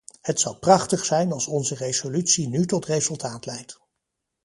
Het zou prachtig zijn als onze resolutie nu tot resultaat leidt!